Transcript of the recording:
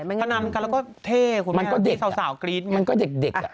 พนันมันกันแล้วก็เท่คุณแม่ที่สาวกรี๊ดมันก็เด็ก